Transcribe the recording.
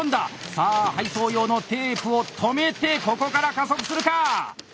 さあ配送用のテープを留めてここから加速するか！